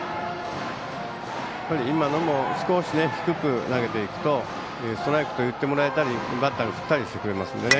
今のも少し低く投げていくとストライクといってもらえたりバッターが振ったりしますからね。